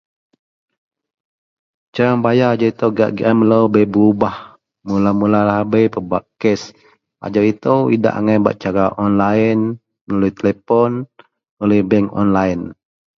Cara membayar ajau ito gak gian melo bei berubah mula-mula lahabei pebak cas ajau ito idak cara online melalui telepon melalui bank online.